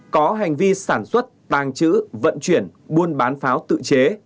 có hành vi sản xuất tàng trữ vận chuyển buôn bán pháo tự chế